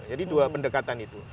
jadi dua pendekatan itu